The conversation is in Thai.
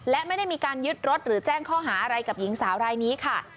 และไม่ได้มีการยึดรถหรือแจ้งข้อหาอะไรกับหญิงสาวรายนี้ค่ะ